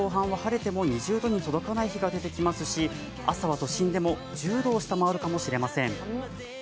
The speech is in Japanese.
来週後半は晴れても２０度に届かない日が出てきますし朝は都心でも１０度を下回るかもしれません。